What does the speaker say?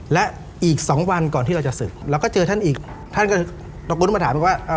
และอีก๒วันก่อนที่เราจะศึกเราก็เจอท่านอีกท่านก็ตะโกนมาถามบอกว่า